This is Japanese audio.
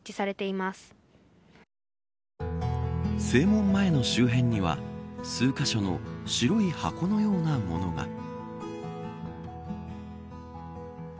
正門前の周辺には数カ所の白い箱のようなものが。